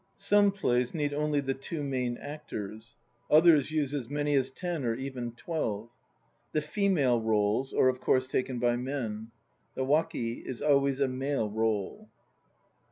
Some plays need only the two main actors. Others use as many as ten or even twelve. The female roles are of course taken by men. The waki is always a male role.